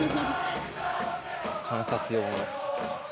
観察用の。